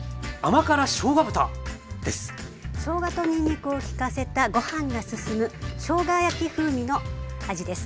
しょうがとにんにくをきかせたご飯が進むしょうが焼き風味の味です。